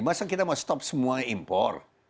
masa kita mau stop semua impor